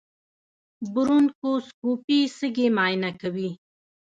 د برونکوسکوپي سږي معاینه کوي.